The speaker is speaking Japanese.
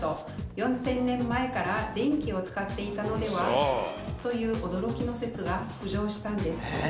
４０００年前から電気を使っていたのではという驚きの説が浮上したんです。